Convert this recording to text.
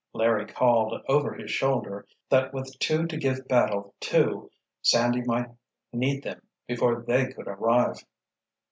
Larry called, over his shoulder, that with two to give battle to, Sandy might need them before they could arrive.